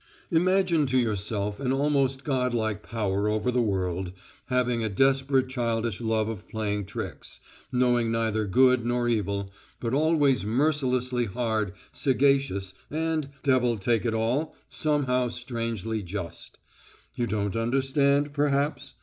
Imagine to yourself an almost godlike Power over this world, having a desperate childish love of playing tricks, knowing neither good nor evil, but always mercilessly hard, sagacious, and, devil take it all, somehow strangely just. You don't understand, perhaps?